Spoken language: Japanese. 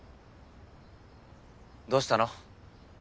どうしたの？